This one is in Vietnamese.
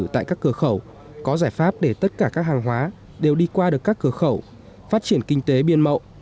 tại các cửa khẩu có giải pháp để tất cả các hàng hóa đều đi qua được các cửa khẩu phát triển kinh tế biên mậu